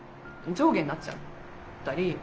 上下になっちゃったり。